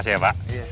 jamin ada bener